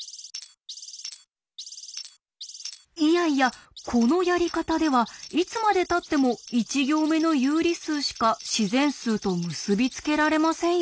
いやいやこのやり方ではいつまでたっても１行目の有理数しか自然数と結び付けられませんよね。